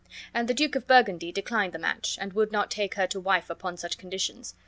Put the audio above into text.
And the Duke of Burgundy declined the match, and would not take her to wife upon such conditions.